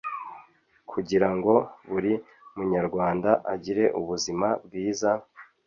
kugirango buri munyarwanda agire ubuzima bwiza,